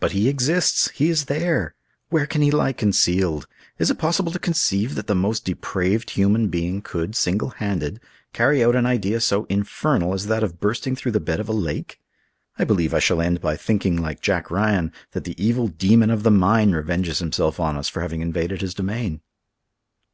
"But he exists! he is there! Where can he lie concealed? Is it possible to conceive that the most depraved human being could, single handed, carry out an idea so infernal as that of bursting through the bed of a lake? I believe I shall end by thinking, like Jack Ryan, that the evil demon of the mine revenges himself on us for having invaded his domain."